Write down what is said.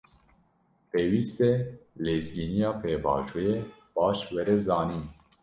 Pêwîst e lezgîniya pêvajoyê, baş were zanîn